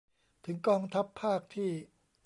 ถึงกองทัพภาคที่